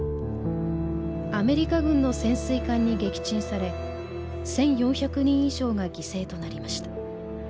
アメリカ軍の潜水艦に撃沈され１，４００人以上が犠牲となりました。